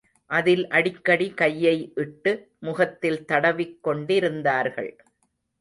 அதில் அடிக்கடி கையை இட்டு, முகத்தில் தடவிக் கொண்டிருந்தார்கள்.